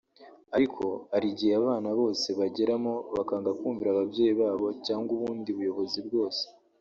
Ariko hari igihe abana bose bageramo bakanga kumvira ababyeyi babo cyangwa ubundi buyobozi bwose